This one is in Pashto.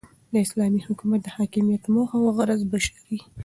داسلامي حكومت دحاكميت موخه اوغرض بشري